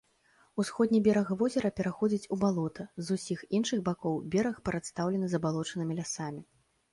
Усходні бераг возера пераходзіць у балота, з усіх іншых бакоў бераг прадстаўлены забалочанымі лясамі.